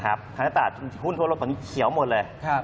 ทั้งตลาดหุ้นทั่วโลกตอนนี้เขียวหมดเลย